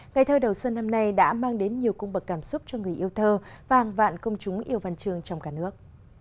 ngày thơ đầu xuân năm nay đã mang đến nhiều cung bậc cảm xúc cho người yêu thơ và hàng vạn công chúng yêu văn trường trong cả nước